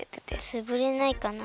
つぶれないかな？